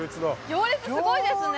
行列すごいですね！